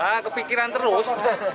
ah kepikiran terus